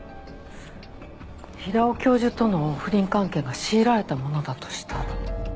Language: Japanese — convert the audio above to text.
平尾教授との不倫関係が強いられたものだとしたら。